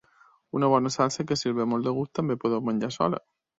Una bona salsa que si us ve molt de gust també podeu menjar sola.